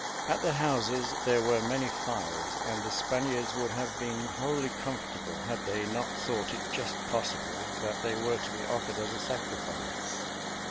At the houses there were many fires, and the Spaniards would have been wholly comfortable, had they not thought it just possible that they were to be offered as a sacrifice.